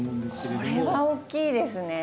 これは大きいですね。